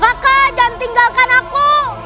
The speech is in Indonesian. raka jangan tinggalkan aku